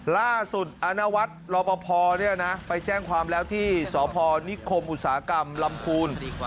ล่าสุดอาณาวัฏรบพไปแจ้งความแล้วที่สพนิคมอุตสาหกรรมลำคูณ